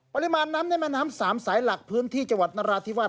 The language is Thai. ปริมาณน้ำในแม่น้ำสามสายหลักพื้นที่จังหวัดนราธิวาส